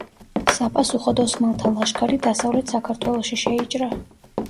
საპასუხოდ ოსმალთა ლაშქარი დასავლეთ საქართველოში შეიჭრა.